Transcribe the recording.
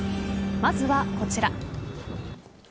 まずはこちら。